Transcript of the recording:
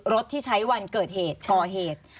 รถที่ใช้วันเกิดเหตุก่อเหตุ